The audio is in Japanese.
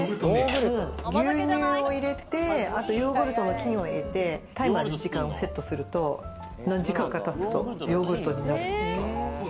牛乳を入れて、あとヨーグルトの菌を入れてタイマーで時間をセットすると、何時間か経つと、ヨーグルトになるんですね。